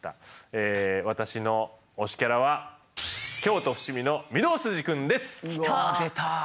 え私の推しキャラは京都伏見の御堂筋くんです。きた！